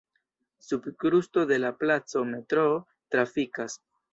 Sub krusto de la placo metroo trafikas.